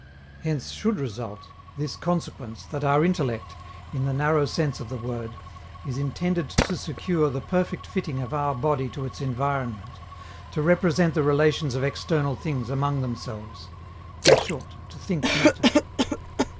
Hence should result this consequence that our intellect, in the narrow sense of the word, is intended to secure the perfect fitting of our body to its environment, to represent the relations of external things among themselves in short, to think matter.